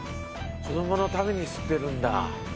子どものために吸ってるんだ。